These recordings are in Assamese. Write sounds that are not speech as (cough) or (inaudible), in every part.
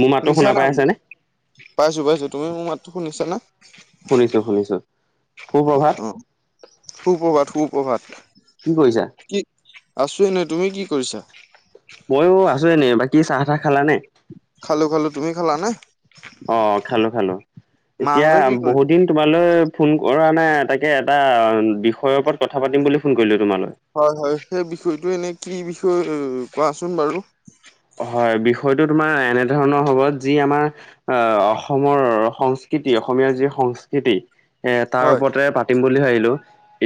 মোৰ মাতটো শুনিছা শুনা না, পাই আছানে? পাইছো পাইছো তুমি মোৰ মাতটো শুনিছা না? শুনিছো -শুনিছো, সু প্ৰভাত। অ সুপ্ৰভাত সুপভাত, কি কৰিছা? কি আছো এনে তুমি কি কৰিছা? ময়ো আছো এনে, বাকী চাহ তাহ খালা নে? খালো খালো তুমি খালা নে? অ' খালো খালো এতিয়া মাহঁতে কি কৰি বহুত দিন তোমালৈ ফোন কৰা নাই, তাকে এটা বিষয়ৰ ওপৰত কথা পাতিম বুলি ফোন কৰিলো তোমালৈ। হয়, হয়, সেই বিষয়টো এনে কি বিষয়, কোৱাচোন বাৰু। হয়, বিষয়টো তোমাৰ এনেধৰণৰ হ'ব, যি আমাৰ আহ, অসমৰ সংস্কৃতি, অসমীয়া যি সংস্কৃতি এ, তাৰ হয় ওপৰতে পাতিম বুলি ভাবিলোঁ,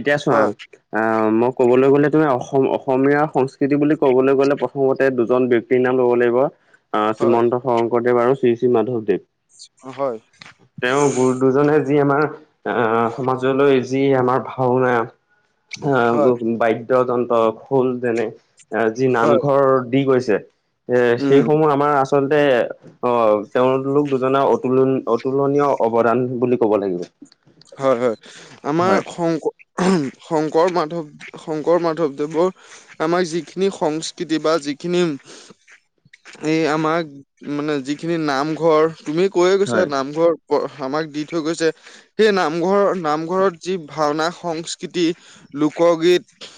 এতিয়া চোৱা হয় অ', মই ক'বলৈ গ'লে তুমি অসম, অসমীয়া সংস্কৃতি বুলি ক'বলৈ গ'লে প্ৰথমতে, দুজন ব্যক্তি নাম ল'ব লাগিব আহ, হয় শ্ৰীমন্ত শংকৰদেৱ আৰু শ্ৰী শ্ৰী মাধৱদেৱ। হয়। তেওঁ গুৰু দুজনে যি আমাৰ, আহ, সমাজলৈ যি আমাৰ ভাওনা, হয় আহ, বাদ্য যন্ত্ৰ, খোল যেনে এ, যি হয় নামঘৰ দি গৈছে, এ, উম সেইসমূহ আমাৰ আচলতে অ', তেওঁলোক দুজনে অতুলন, অতুলনীয় অৱদান বুলি কব লাগিব। হয়, হয়, হয় আমাৰ শং শংকৰ, মাধৱ, শংকৰ মাধৱদেৱৰ আমাৰ যিখিনি সংস্কৃতি বা যিখিনি এই আমাৰ, মানে যিখিনি নামঘৰ তুমি কৈয়ে গৈছা, হয় নামঘৰ আমাক দি থৈ গৈছে। সেই নামঘৰৰ, নামঘৰত যি ভাওনা সংস্কৃতি, লোকগীত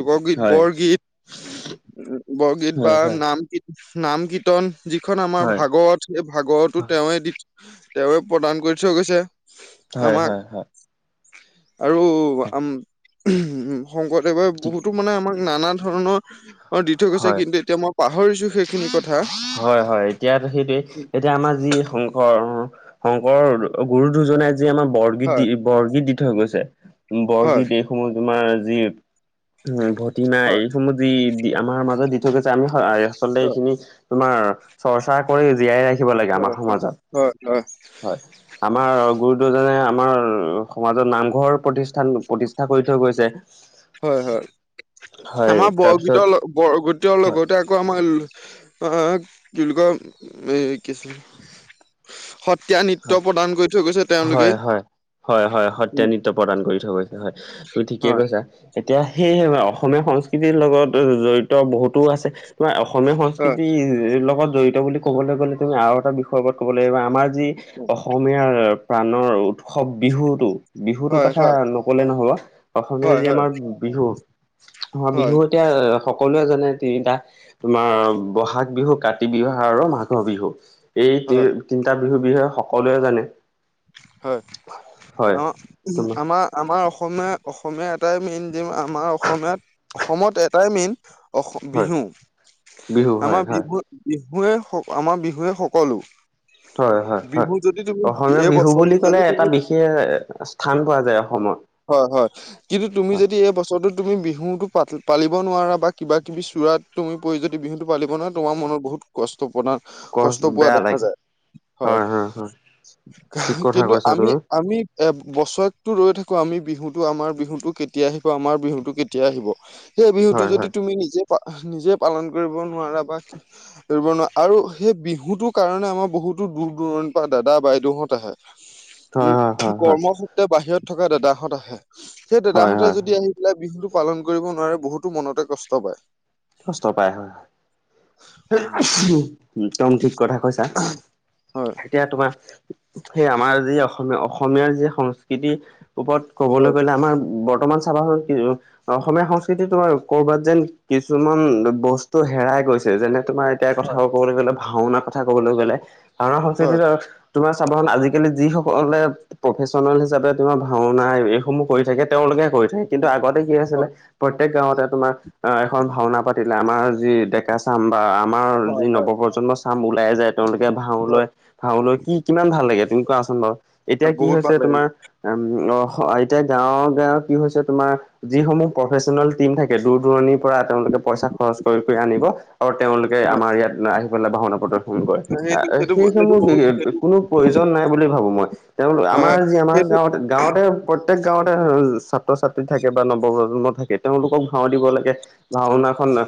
লোকগীত, হয় বৰগীত, বৰগীত হয় বা হয় নাম গীত, নাম গীত কীৰ্তন, যিখন আমাৰ হয় ভাগৱত, সেই ভাগৱতো তেওঁৱে দি, তেওঁৱে প্ৰদান কৰি থৈ গৈছে। হয়, আমাক হয়, হয়। আৰু উম, হয় আম, শংকৰদেৱে ঠিক বহুতো মানে আমাৰ নানা ধৰণৰ, অ', দি থৈ গৈছে হয় কিন্তু এতিয়া, মই পাহৰিছো সেইখিনি কথা। হয়, হয়, এতিয়া সেইটোৱে, এতিয়া আমাৰ যি শংকৰ অ' শংকৰ, গুৰু দুজনাই যি আমাৰ বৰ দি, হয় বৰগীত দি থৈ গৈছে, হয় বৰগীত এইসমূহ তোমাৰ যি (unintelligible) এইখিনি আচলতে হয় এইখিনি তোমাৰ, চৰ্চা কৰি জীয়াই ৰাখিব লাগে হয়, আমাৰ হয়, সমাজত। হয়, হয়। হয়। আমাৰ গুৰুদুজনে, আমাৰ সমাজত নামঘৰ প্ৰতিষ্ঠান, প্ৰতিষ্ঠা কৰি থৈ গৈছে। (unintelligible) হয়, হয়, হয় আমাৰ তাৰপিছত বৰগীতৰ ল, বৰগীতৰ হয় লগতে (unintelligible) কি বুলি কয়, কি আছিলে সত্ৰীয়া হয়। নৃত্য প্ৰদান কৰি থৈ গৈছে, হয় তেওঁলোকেই। হয় হয় হয় সত্ৰীয়া উম। নৃত্য প্ৰদান কৰি থৈ গৈছে হয়, তুমি ঠিকে হয়, কৈছা। এতিয়া সেইয়ে অসমীয়া সংস্কৃতিৰ লগত জড়িত বহুতো আছে, তোমাৰ অসমীয়া হয়, সংস্কৃতিৰ ই, লগত জড়িত বুলি ক'বলৈ গ'লে, তুমি আৰু এটা বিষয়ৰ ওপৰত ক'ব লাগিব, আমাৰ যি অসমীয়াৰ প্ৰাণৰ উৎসৱ, বিহুতো। বিহুটোৰ হয়, কথা হয়, নকলে নহব, অসমীয়া হয়, যি হয়, আমাৰ বিহু, আমাৰ হয়, বিহুত এতিয়া, সকলোৱে জানে তিনিটা। তোমাৰ বহাগ বিহু, কাতি বিহু, আৰু মাঘৰ বিহু। এই তি, হয়, তিনিটা বিহুৰ বিষয়ে সকলোৱে জানে। হয়, হয় অ, তোমাৰ আমাৰ আমাৰ অসমীয়া, অসমীয়া এটাই মেইন যি, আমাৰ অসমীয়াত, অসমত এটাই মেইন অস, হয় বিহু, বিহু হয় আমাৰ হয় বিহু বিহুৱে স আমাৰ বিহুৱে সকলো। হয় হয় হয়, বিহু যদি তুমি অসমীয়া এই বিহু বছৰটো বুলি যদি ক'লে তুমি এটা বিশেষ, স্থান পোৱা যায় অসমত। হয় হয়। কিন্তু তুমি যদি এই বছৰটোত তুমি বিহুটো পা পালিব নোৱাৰা বা কিবা কিবি চূৰাত তুমি পৰি যদি বিহুটো পালিব নোৱাৰা তোমাৰ মনত বহুত কষ্ট পনা, কচ কষ্ট পোৱা বেয়া দেখা লাগে যায়, হয়। (inaudible) ঠিক কথা কিন্তু কৈছা আমি, তুমি আমি এ বছৰটো ৰৈ থাকো আমি বিহুটো, আমাৰ বিহুটো কেতিয়া আহিব, আমাৰ বিহুতটো কেতিয়া আহিব। সেই বিহুটো হয় যদি হয় তুমি নিজে পা, নিজে পালন কৰিব নোৱাৰা বা কৰিবব নোৱাৰা আৰু সেই বিহুটোৰ কাৰণে আমাৰ বহুতো দূৰ-দূৰণিৰ পৰা দাদা বাইদেউহত আহে, হয় হয় উম হয় কৰ্মসূত্ৰে বাহিৰত থকা দাদাহঁত আহে। সেই হয় দাদাহঁতে হয় হয় যদি আহি পেলাই বিহুটো পালন কৰিব নোৱাৰে বহুতো মনতে কষ্ট পায়। কষ্ট পায় হয়, উম। (unintelligible) ঠিক কথা কৈছা। হয় এতিয়া তোমাৰ, সেই আমাৰ যি অসমীয়া, অসমীয়াৰ যি সংস্কৃতি ওপৰত ক'বলৈ হয় গ'লে আমাৰ বৰ্তমান (unintelligible) অসমীয়া সংস্কৃতি তোমাৰ কৰবাত যেন কিছুমান বস্তু হেৰাই গৈছ যেনে তোমাৰ এতিয়া কথা হয় ক'বলৈ গলে ভাওনাাৰ কথা কবলৈ গ'লে, হয় (unintelligible) তোমাৰ (unintelligible) আজিকালি যিসকলে প্ৰফেচনেল হিচাপে তোমাৰ ভাওনা এইসমূহ কৰি থাকে তেওঁলোকে কৰি থাকে কিন্তু আগতে আছিলে, প্ৰত্যেক গাঁৱতে তোমাৰ এখন ভাওনা পাতিলে আমাৰ যি ডেকা চাম বা আমাৰ হয় হয় নৱপ্ৰজন্মৰ চাম ওলাই যায় তেওঁলোকে ভাও হয় লয় ভাও লৈ কি কিমান ভাল লাগে তুমি কোৱাছোন বাৰু এতিয়া কি বহুত হৈছে ভাল লাগে তোমাৰ উ অ স এতিয়া গাঁৱ বেয়া কি হৈছে তোমাৰ যিসমূহ প্ৰফেচনেল টিম থাকে দূৰ দূৰণি তেওঁলোকে পইচা খৰচ কৰি কৰি আনিব আৰু তেওঁলোকে হয় আমাৰ ইয়াত আহি পেলাই ভাওনা প্ৰদৰ্শন কৰে সেইটো সেইটো সেইটো সেইসমূহ কি বহুত কোনো প্ৰয়োজন নাই বুলি ভাবো মই তেওঁ হয় আমাৰ যি আমাৰ সেইটো গাঁৱতে গাঁৱতে প্ৰত্যেক গাঁৱতে ছাত্ৰ-ছাত্ৰী থাকে বা নৱ প্ৰজন্ম থাকে তেওঁলোকক ভাও দিব লাগে। ভাওনাখন এ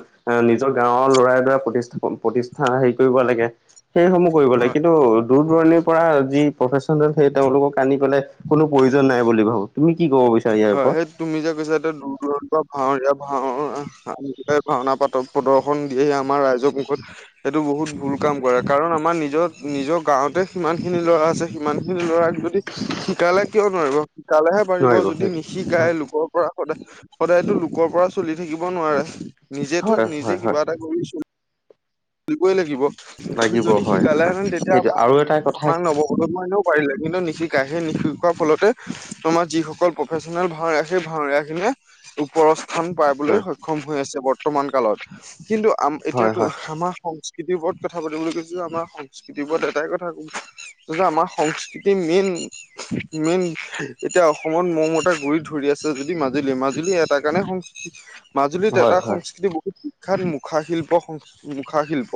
নিজৰ গাঁওৰ লৰাই দৰা প্ৰতিষ্ঠাপ, প্ৰতিষ্ঠা হেৰি কৰিব লাগে। সেইসমূহ কৰিব হয় লাগে কিন্তু দূৰ দূৰণিৰ পৰা যি প্ৰফেচনেল সেই তেওঁলোকক আনি পেলাই কোনো প্ৰয়োজন নাই বুলি ভাবোঁ তুমি কি কব বিচাৰি ইয়াৰ হয় পৰা সেই তুমি যে কৈছা এতিয়া দূৰ দূৰৰ ভাওৰীয়া ভাও ভাওনা পাতক প্ৰদৰ্শন দিয়ে আমাৰ ৰাইজৰ মুখত সেইটো বহুত ভুল কাম কৰে কাৰণ আমাৰ নিজৰ নিজৰ গাঁৱতে সিমানখিনি ল'ৰা আছে সিমানখিনি ল'ৰা যদি শিকালে কিয় নোৱাৰিব শিকালেহে পাৰিব নোৱাৰিব যদি সেইটো নিশিকাই লোকৰ পৰা সদায় সদায়তো লোকৰ পৰা চলি থাকিব নোৱাৰে নিজেটো হয় হয় হয় নিজে হয় কিবা এটা কৰি চ শিকিবই লাগিব লাগিব যদি হয় হয় শিকালেহেতেন তেতিয়া সেইটো আৰু এটা কথা আমাৰান লব অই কিন্তু নিশিকা সেই নিশিকাৰ ফলতে তোমাৰ যিসকল প্ৰফেচনেল ভাওৰা ভাওৰীয়া খিনিয়ে ওপৰ স্থান পাবলৈ হয় সক্ষম হৈ আছে বৰ্তমান কালত কিন্তু আম হয় এতিয়াটো হয় আমাৰ সংস্কৃতি বোৰত কথা পাতিম বুলি কৈছিল আমাৰ সংস্কৃতিৰ বোৰত এটাই কথা কম আমাৰ সংস্কৃতিৰ মেইন মেইন এতিয়া অসমত মমত এটা গুৰি ধৰি আছে যদি মাজুলী মাজুলী এটা কাৰণে সংস্ৃ মাজুলীত এটা হয় হয় সংস্কৃতি বহুত বিখ্যাত মুখাশিল্প মুখাশিল্প।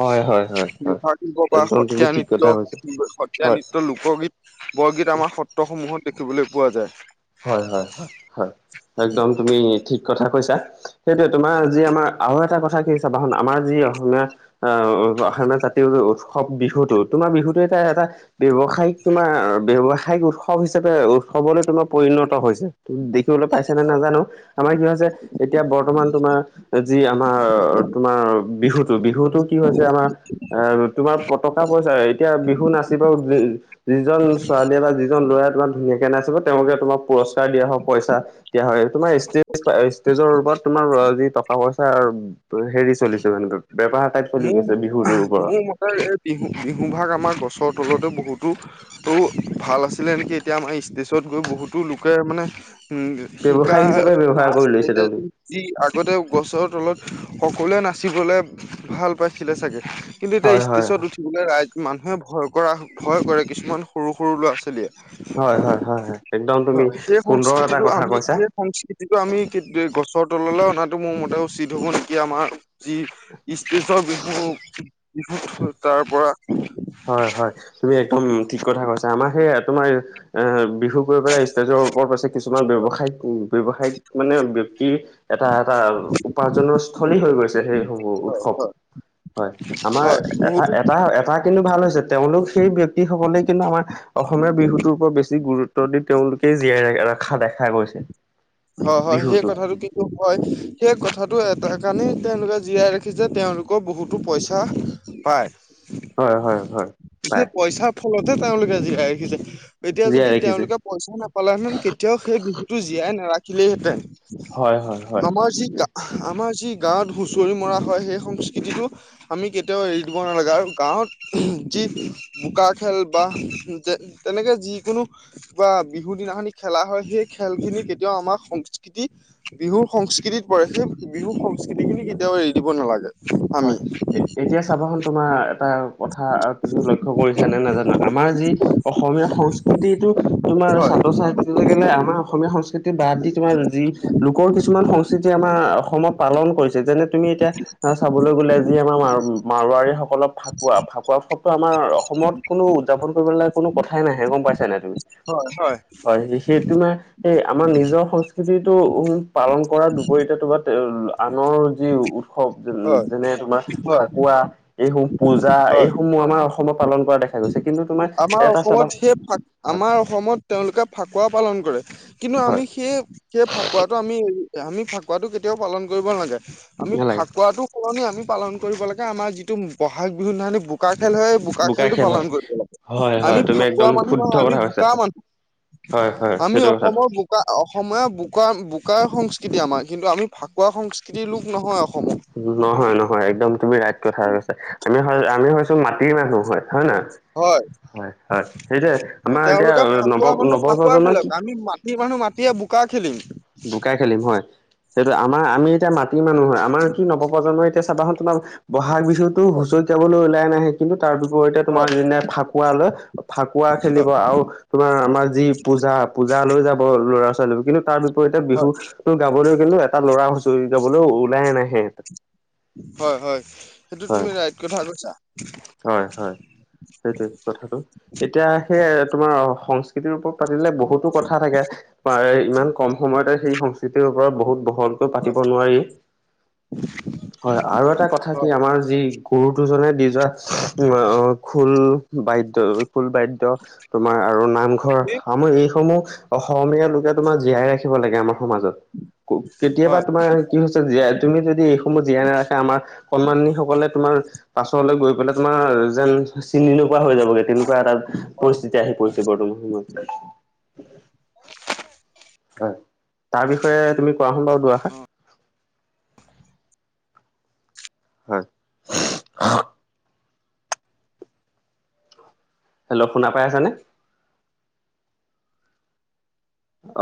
হয় হয় হয় হয় মুখাশিল্প বা একদম তুমি সত্ৰীয়া ঠিক নৃত্য কথা কৈছা সত্ৰীয়া হয় নৃত্য লোকগীত বৰগীত আমাৰ সত্ৰসমূহত দেখিবলৈ পোৱা যায়। হয় হয় হয় হয় একদম তুমি ঠিক কথা কৈছা। সেইটোৱে তোমাৰ যি আমাৰ আৰু এটা কথা চাবাচোন আমাৰ যি অসমীয়া আ অসমীয়া জাতীৰ উৎসৱ বিহুটো তোমাৰ বিহুটো এটা এটা ব্যৱসায়িক তোমাৰ ব্যৱসায়িক উৎসৱ হিচাপে উৎসৱলৈ তোমাক পৰিণত হৈছে দেখিবলৈ পাইছে নাই নাজানো আমাৰ কি হৈছে এতিয়া বৰ্তমান তোমাৰ যি আমাৰ তোমাৰ বিহুটো বিহুটো কি হৈছে আমাৰ আহ তোমাৰ পটকা বজাই এতিয়া বিহু নাচিব যিজন ছোৱালীয়ে বা যিজন ল'ৰাই তোমাৰ ধুনীয়াকে নাচিব তেওঁকহে তোমাক পুৰস্কাৰ দিয়া হওক পইচা দিয়া হয় তোমাৰ ষ্টেজ ষ্টেজৰ ওপৰত তোমাৰ যি টকা পইচা কিবা হেৰি চলিছে মানে বেপাৰ টাইপ চলি মোৰ গৈছে বিহুটোৰ ওপৰত। মোৰ এই মতে বিহু বিহু ভাগ আমাৰ গছৰ তলতে বহুটো টো ভাল আছিলে নেকি? এতিয়া আমাৰ ষ্টেজত গৈ বহুতো লোকে মানে শিকা ব্যৱসায়িক হিচাপে ব্যৱহাৰ নাচ কৰি লৈছে এতিয়াটো তেওঁলোকে যি আগতে গছৰ তলত সকলোৱে নাচিবলে ভাল পাইছিলে চাগে। কিন্তু এতিয়া হয় হয় ষ্টেজত উঠিবলে ৰাইজ মানুহে ভয় কৰা ভয় কৰে কিছুমান সৰু সৰু ল'ৰা ছোৱালীয়ে। হয় হয় হয় হয় একদম তুমি হয় সেই সুন্দৰ এটা সংস্কৃতিটো কথা আমি কৈছা সেই সংস্কৃতি যিটো আমি গছৰ তললে অনাটো মোৰ মতে উচিত হব নেকি আমাৰ যি ইষ্টেজৰ বিহু বিহুত তাৰপৰা। হয় হয় তুমি একদম ঠিক কথা কৈছা, আমাৰ সেইয়া তোমাৰ এ বি বিহু গৈ পেলাই ষ্টেজৰ ওপৰত পাইছে কিছুমান ব্যৱসায়ক ব্যৱসায়িক মানে ব্যক্তি এটা এটা উপাৰ্জনৰ স্থলী হৈ গৈছে সেই হয় উৎসৱ হয় হয় আমাৰ হয় বহুতো এটা এটা কিন্তু ভাল হৈছে তেওঁলোক সেই ব্যক্তিসকলে কিন্তু আমাৰ অসমীয়া বিহুটোৰ ওপৰত বেছি গুৰুত্ব দি তেওঁলোকে জীয়াই ৰখা দেখা গৈছে। হয় হয় সেই বিহুটো কথাটো কি হয় সেই কথাটো এটা কাৰণেই তেওঁলোকে জীয়াই ৰাখিছে তেওঁলোকৰ বহুতো পইচা পায়। হয় হয় হয়। কিন্তু পাই পইচাৰ ফলতে তেওঁলোকে জীয়াই ৰাখিছে। এতিয়া জীয়াই যদি ৰাখিছে তেওঁলোকে পইচা নাপালে হেতেন কেতিয়াও সেই বিহুতটো জীয়াই নাৰাখিলেই হেঁতেন। হয় হয় হয় আমাৰ যি আমাৰ যি গাঁৱত হুচৰি মৰা হয় সেই সংস্কৃতিটো আমি কেতিয়াও এৰি দিব নালাগে, আৰু গাঁৱত যি বোকা খেল বা যে তেনেকে যিকোনো বা বিহু দিনাখনি খেলা হয় সেই খেল খিনি কেতিয়াও আমাৰ সংস্কৃতি বিহুৰ সংস্কৃতিত পৰে সেই বিহুৰ সংস্কৃতি খিনি কেতিয়াও এৰি দিব নালাগে। আমি হয় এতিয়া চাবাচোন তোমাৰ এটা কথা আৰু তুমিও লক্ষ্য কৰিছা নে নাজানো, আমাৰ যি অসমীয়া সংস্কৃতিটো তোমাৰ হয় ছত্ৰছায়াত এৰি গেনে আমাৰ অসমীয়া সংস্কৃতি বাদ দি তোমাৰ যি লোকৰ কিছুমান সংস্কৃতি আমাৰ অসমত পালন কৰিছে যেনে তুমি এতিয়া চাবলৈ গ'লে যি আমাৰ মাৰ মাৰোৱাৰী সকলক ফাকুৱা ফাকুৱা উৎসৱটো আমাৰ অসমত কোনো উদযাপন কৰিব নেলাগে কোনো কথাই নাহে গম পাইছা নাই তুমি। হয় হয়। হয় সেইছে তোমাৰ! সেই আমাৰ নিজৰ সংস্কৃতিটো উ পালন কৰাৰ বিপৰীতে তোমাৰ - আনৰ যি উৎসৱ হয় যেনে তোমাৰ হয় ফাকুৱা এইসমূহ পূজা হয় এইসমূহ- সমূহ আমাৰ অসমত পালন কৰা দেখা- দেখা গৈছে কিন্ত তোমাৰ- আমাৰ এটা চাবা অসমত সেই ফাক হয় আমাৰ অসমত তেওঁলোকে ফাকুৱা পালন কৰে। কিন্তু হয় আমি সেই- সেই ফাকুৱাটো আমি আমি ফাকুৱাটো কেতিয়াও পালন কৰিব নালাগে আমি নালাগে ফাকুৱাটো- সলনি আমি পালন কৰিব লাগে আমাৰ যিটো বহাগ বিহু দিনাখনি বোকা খেল হয় বোকা বোকাৰ খেলতটো খেল হয় পালন কৰিব লাগে। হয় আমি হয় তুমি ফাকুৱা একদম মানুহ শুদ্ধ নহয় আমি কথা কৈছা বোকা মানুহ হয় হয় আমি সেইটো কথাটো অসমৰ বো- বোক অসমীয়া বোকা বোকাৰ সংস্কৃতি আমাৰ কিন্তু আমি ফাকুৱা সংস্কৃতিৰ লোক নহয় অসমৰ। নহয় নহয় একদম তুমি ৰাইট কথা কৈছা আমি আমি হৈছো মাটিৰ মানুহ হয়। হয় নহয় হয় হয় হয় সেইটোৱ হয়, আমাৰ এতিয়া তেওঁলোকে নৱ নৱপ্ৰজন্মই কি- সি মানুহ মাতি বোকা খেলিম। বুকাই খেলিম হয়। সেইটো আমাৰ আমি এতিয়া মাটিৰ মানুহ হয় আমাৰ কি নৱপ্ৰজন্মই এতিয়া চাবা চোন তোমাৰ- বহাগ বিহুতো হয় হুঁচৰি গাবলৈ ওলাই নাহে। কিন্তু তাৰ বিপৰীতে তোমাৰ হয় হয় এনে ফাকুৱা লৈ ফাকুৱা খেলিব হয়। আৰু- তোমাৰ আমাৰ যি পূজা পূজা লৈ যাব ল'ৰা ছোৱালী কিন্তু তাৰ বিপৰীতে বিহু- ত গাবলৈ গ'লে এটা ল'ৰা হুঁচৰি গাবলৈও ওলাই নাহে। হয় হয় সেইটো হয় তুমি ৰাইট কথা কৈছা। হয় হয় সেইটোৱে কথাটো এতিয়া সেই তোমাৰ সং সৃতিৰ ওপৰত পাতিলে বহুতো কথা থাকে। পাৰে ইমান খন। সময়তে সেই সংস্কৃতিৰ ওপৰত বহুত বহলকৈ পাতিব নোৱাৰি। (inaudible) হয় আৰু এটা কথা হয় কি আমাৰ যি গুৰু দুজনে দি যোৱা খোল। বাদ্যয় খোল বাদ্যয় তোমাৰ আৰু নাম ধৰ হয় আমাৰ এইসমূহ অসমীয়া লোকে তোমাৰ জীয়াই ৰাখিব লাগে আমাৰ সমাজত। কো কেতিয়াবা হয়। তোমাৰ কি হৈছে জীয়াই তুমি যদি এইসমূহ জীয়াই নাৰাখে আমাৰ সন্মানীসকলে তোমাৰ পাছলৈ গৈ পেলাই তোমাৰ যেন চিনি নোপোৱা হৈ যাবগে তেনেকুৱা এটা পৰিস্থিতি আহি পৰিছে বৰ্তমান সময়ত। হয়, তাৰ বিষয়ে তুমি কোৱা চোন বাৰু দুআষাৰ। হয়। হেল্লো' শুনা পাই আছা নে?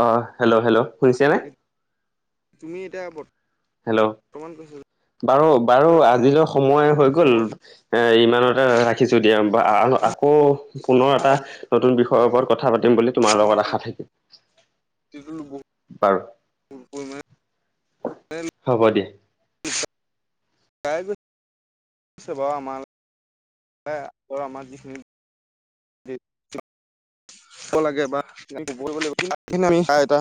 অ', হেল্লো', হেল্লো' শুনিছেনে? তুমি এতিয়া বৰ্ত হেল্লো' বাৰু বাৰু যে আজিলৈ সময় হৈ গ'ল। অসমৰ এ ইমানতে ৰাখিছো দিয়া আকৌ পুনৰ এটা নতুন বিষয় ষয় ওপৰত কথা পাতিম বুলি। তোমাৰ সময় লগত হ'ল আশা থাকিল কিন্তু মোৰ বাৰু, হ'ব দিয়া। (unintelligible) (unintelligible)